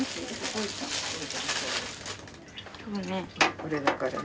これだからね。